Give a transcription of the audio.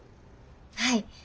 はい。